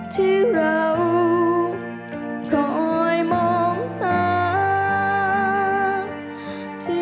ที่เราก้อยมองหาที่คงไม่ทำให้เราช้ำใจ